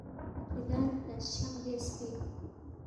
کِھدانگ لہ لس چھق بیاسپی